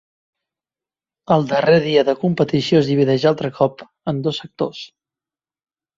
El darrer dia de competició es divideix, altre cop, en dos sectors.